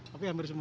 tapi hampir semua